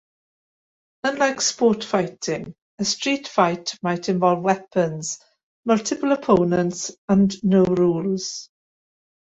Unlike sport fighting, a street fight might involve weapons, multiple opponents, and no rules.